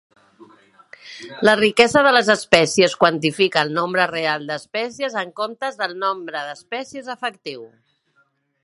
La riquesa de les espècies quantifica el nombre real d'espècies en comptes del nombre d'espècies efectiu.